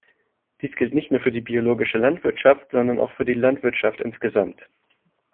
Dies gilt nicht nur für die biologische Landwirtschaft, sondern für die Landwirtschaft insgesamt.